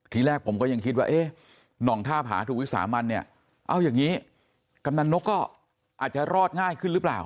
ทีแรกผมก็ยังคิดว่าเอ๊ะหน่องท่าผาถูกวิสามันเนี่ยเอาอย่างนี้กำนันนกก็อาจจะรอดง่ายขึ้นหรือเปล่า